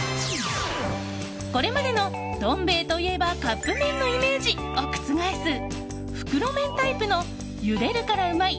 これまでのどん兵衛といえばカップ麺のイメージを覆す袋麺タイプのゆでるからうまい！